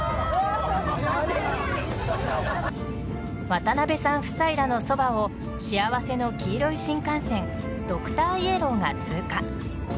渡辺さん夫妻らのそばを幸せの黄色い新幹線ドクターイエローが通過。